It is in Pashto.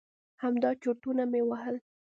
همدا چرتونه مې وهل.